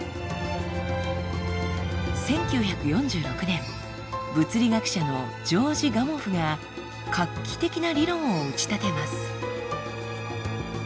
１９４６年物理学者のジョージ・ガモフが画期的な理論を打ち立てます。